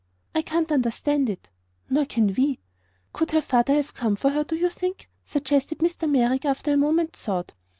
"I can't understand it." "Nor can we." "Could her father have come for her, do you think?" suggested Mr. Merrick, after a moment's thought.